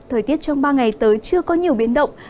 thời tiết trong ba ngày tới chưa có nhiều biến động